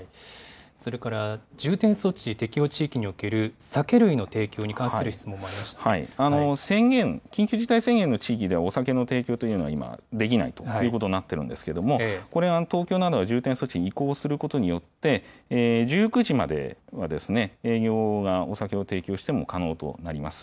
それから重点措置適用地域における酒類の提供に関する質問も宣言、緊急事態宣言の地域ではお酒の提供というのは今、できないということになっているんですけれども、これ、東京などは重点措置に移行することによって、１９時までは営業が、お酒を提供しても可能となります。